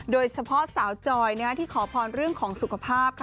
โดยเฉพาะสาวจอยที่ขอพรเรื่องของสุขภาพค่ะ